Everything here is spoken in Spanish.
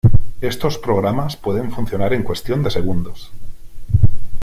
Estos programas pueden funcionar en cuestión de segundos.